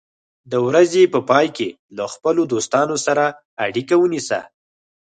د ورځې په پای کې له خپلو دوستانو سره اړیکه ونیسه.